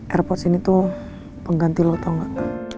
airport sini tuh pengganti lo tau nggak